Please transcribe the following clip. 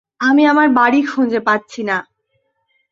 আমি আমার বাড়ি খুঁজে পাচ্ছি না।